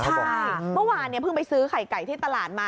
ใช่เมื่อวานเพิ่งไปซื้อไข่ไก่ที่ตลาดมา